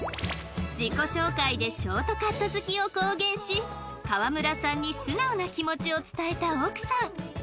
自己紹介でショートカット好きを公言し河村さんに素直な気持ちを伝えた奥さん